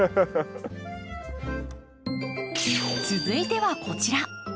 続いてはこちら。